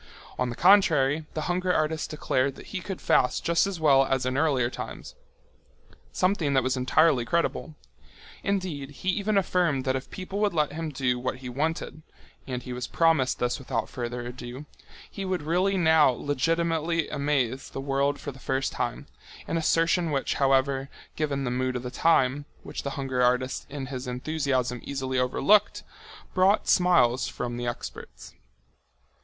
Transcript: On the contrary, the hunger artist declared that he could fast just as well as in earlier times—something that was entirely credible. Indeed, he even affirmed that if people would let him do what he wanted—and he was promised this without further ado—he would really now legitimately amaze the world for the first time, an assertion which, however, given the mood of the time, which the hunger artist in his enthusiasm easily overlooked, only brought smiles from the experts.